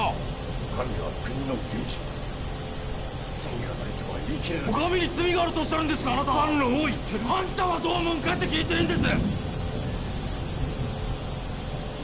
お上は国の元首です罪がないとは言い切れないとお上に罪があるとおっしゃるのか一般論を言ってるんですあんたはどう思うんかって聞いてるんです！